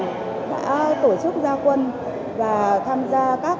đã tổ chức các lễ phát động các hoạt động trồng cây các hoạt động trồng cây các hoạt động trồng cây